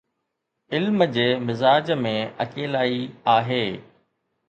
علم جي مزاج ۾ اڪيلائي آهي.